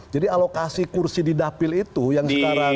jadi alokasi kursi di dapil itu yang sekarang